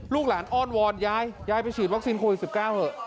ลูกหลานอ้อนวอนยายยายไปฉีดวัคซีนโควิด๑๙เถอะ